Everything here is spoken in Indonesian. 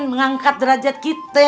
mengangkat derajat kita